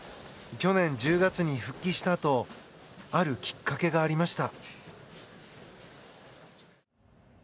去年１０月に復帰したあとあるきっかけがありました。